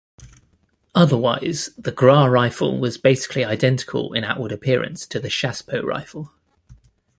Otherwise, the Gras rifle was basically identical in outward appearance to the Chassepot rifle.